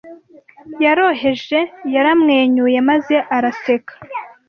Yoroheje Yaramwenyuye maze araseka